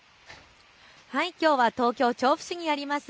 きょうは東京調布市にあります